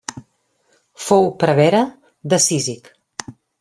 Fou prevere de Cízic.